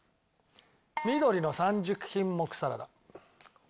緑の３０品目サラダ。